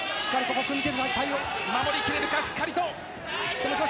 守り切れるか、しっかりと。